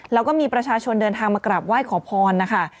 แล้วก็มีประชาชนเดินทางมากราบไหว้ขอพรนะคะ